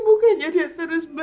tolong jaga keluarga ini sa